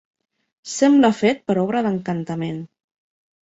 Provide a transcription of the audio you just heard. Sembla fet per obra d'encantament.